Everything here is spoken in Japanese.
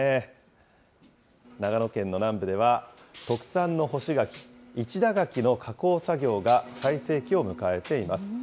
長野県の南部では、特産の干し柿、市田柿の加工作業が最盛期を迎えています。